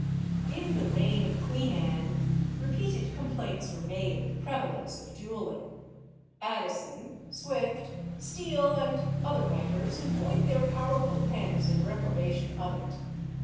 In the reign of Queen Anne, repeated complaints were made of the prevalence of duelling. Addison, Swift, Steele, and other writers employed their powerful pens in reprobation of it.